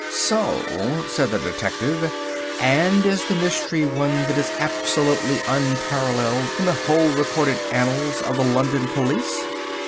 "So," said the detective, "and is the mystery one that is absolutely unparalleled in the whole recorded annals of the London police?"